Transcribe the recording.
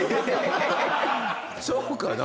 そうかな？